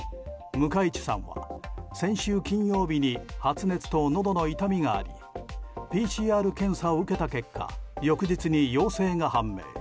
向井地さんは先週金曜日に発熱と、のどの痛みがありＰＣＲ検査を受けた結果翌日に陽性が判明。